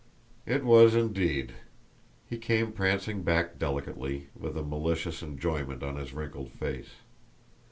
It was indeed; he came prancing back delicately, with a malicious enjoyment on his wrinkled face.